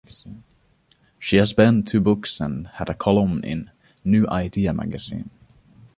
She has penned two books and had a column in "New Idea" magazine.